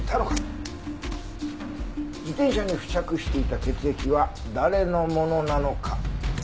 自転車に付着していた血液は誰のものなのか？